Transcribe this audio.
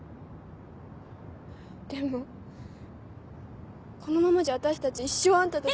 でもこのままじゃ私たち一生あんたたち。